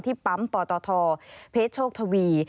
ที่ปั๊มปตทเพชโชคทวี